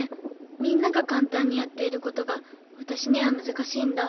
みんながかんたんにやっていることがわたしにはむずかしいんだ。